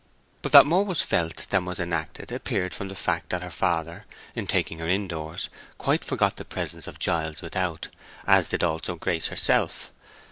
But that more was felt than was enacted appeared from the fact that her father, in taking her in doors, quite forgot the presence of Giles without, as did also Grace herself.